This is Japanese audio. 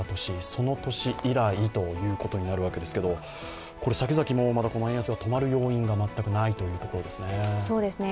その年以来ということになるわけですけれども、先々もこのニュースが止まる要因が全くないというところですね。